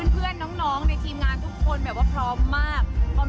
เพื่อนน้องในทีมงานทุกคนแบบว่าพร้อมมากพร้อม